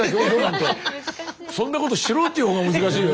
そんなことしろっていうほうが難しいよね。